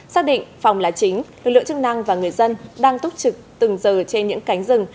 xác định phòng là chính lực lượng chức năng và người dân đang túc trực từng giờ trên những cánh rừng